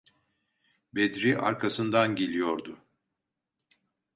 Bedri arkasından geliyordu.